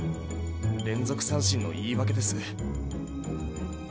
連続三振の言い訳です。